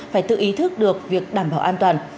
phải tự ý thức được việc đảm bảo an toàn